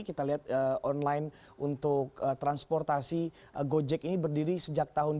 kita lihat online untuk transportasi gojek ini berdiri sejak tahun dua ribu dua